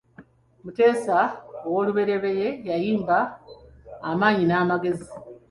Mutesa I yayimba amaanyi n'amagezi.